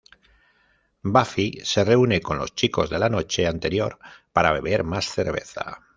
Buffy se reúne con los chicos de la noche anterior para beber más cerveza.